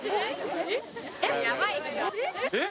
えっ？